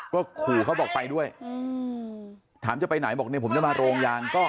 ก็ขู่เขาบอกไปด้วยถามจะไปไหนบอกเนี่ยผมจะมาโรงยางก็